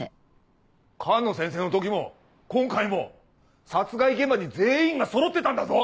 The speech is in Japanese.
寒野先生の時も今回も殺害現場に全員がそろってたんだぞ